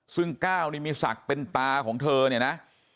ซึ่งก้าวนี่มีศักดิ์เป็นตาของเธอเนี่ยนะ